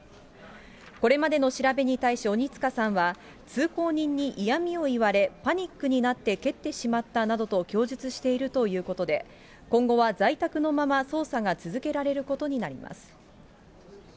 これまで調べに対し鬼束さんは、通行人に嫌みを言われ、パニックになって蹴ってしまったなどと供述しているということで、今後は在宅のまま捜査が続けられることになります。